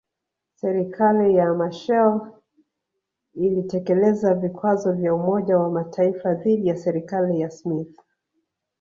Serikali ya Machel ilitekeleza vikwazo vya Umoja wa Mataifa dhidi ya serikali ya Smith